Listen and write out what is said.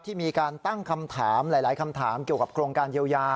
มีการตั้งคำถามหลายคำถามเกี่ยวกับโครงการเยียวยา